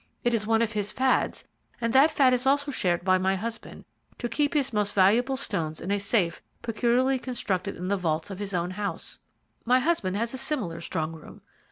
It is one of his fads, and that fad is also shared by my husband, to keep his most valuable stones in a safe peculiarly constructed in the vaults of his own house. My husband has a similar strong room.